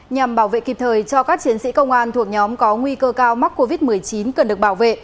nhằm bảo vệ kịp thời cho các chiến sĩ công an thuộc nhóm có nguy cơ cao mắc covid một mươi chín cần được bảo vệ